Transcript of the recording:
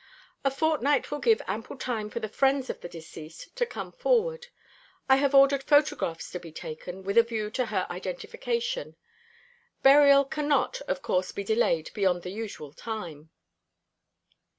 A fortnight will give ample time for the friends of the deceased to come forward. I have ordered photographs to be taken, with a view to her identification. Burial cannot, of course, be delayed beyond the usual time."